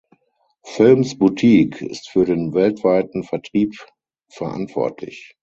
Films Boutique ist für den weltweiten Vertrieb verantwortlich.